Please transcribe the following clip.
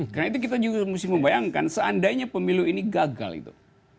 karena itu kita juga mesti membayangkan seandainya pemilu ini gagal itu